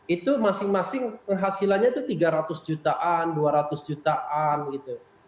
itu masing masing hasilnya itu tiga ratus jutaan dua ratus jutaan gitu